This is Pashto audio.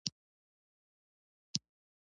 خپله په مانا نه پوهېږي.